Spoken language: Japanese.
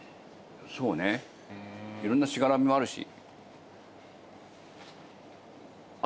そうねいろんなしがらみもあるし。